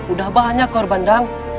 udah banyak korban dang